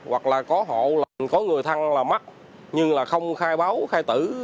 hoặc là có họ là có người thăng là mắc nhưng là không khai báo khai tử